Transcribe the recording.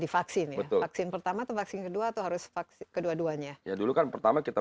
divaksin ya vaksin pertama atau vaksin kedua atau harus vaksin kedua duanya ya dulu kan pertama kita